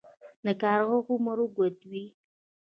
د کارغه عمر اوږد وي